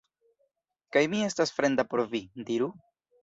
Kaj mi estas fremda por vi, diru?